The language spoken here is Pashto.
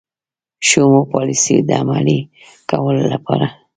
شومو پالیسیو د عملي کولو لپاره.